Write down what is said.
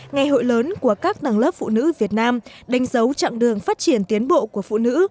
ngày hội lớn của các tầng lớp phụ nữ việt nam đánh dấu chặng đường phát triển tiến bộ của phụ nữ